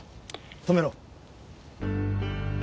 止めろ。